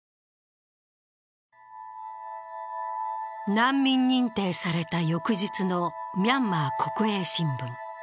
難民認定された翌日のミャンマー国営新聞。